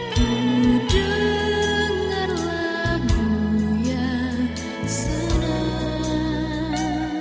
kau dengar lagu yang senang